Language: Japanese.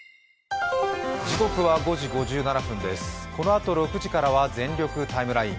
このあと６時からは「全力ＴＩＭＥライン」。